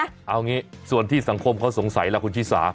เอางี้ส่วนที่สังคมเขาสงสัยล่ะคุณชิสา